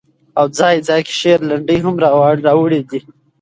او ځاى ځاى کې شعر، لنډۍ هم را وړي دي